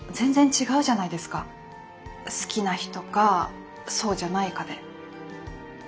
好きな人かそうじゃないかで。